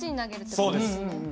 そうです。